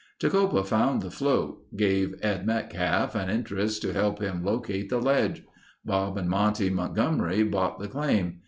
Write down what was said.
Tecopa found the float; gave Ed Metcalf an interest to help him locate the ledge. Bob and Monte Montgomery bought the claim.